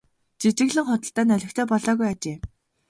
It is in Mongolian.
Жижиглэн худалдаа нь олигтой болоогүй ажээ.